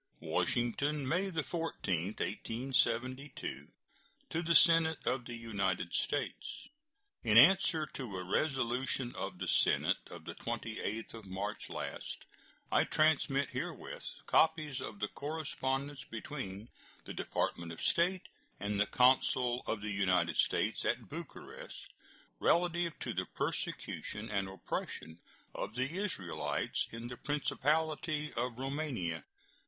WASHINGTON, May 14, 1872. To the Senate of the United States: In answer to a resolution of the Senate of the 28th of March last, I transmit herewith copies of the correspondence between the Department of State and the consul of the United States at Bucharest relative to the persecution and oppression of the Israelites in the Principality of Roumania.